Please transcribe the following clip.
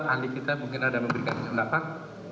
andi kita mungkin ada memberikan pendapat